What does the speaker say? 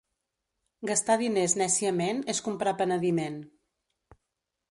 Gastar diners nèciament és comprar penediment.